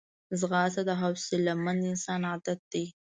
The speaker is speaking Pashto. ځغاسته د حوصلهمند انسان عادت دی